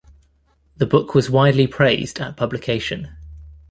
The book was widely praised at publication.